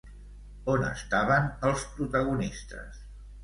On estaven els protagonistes?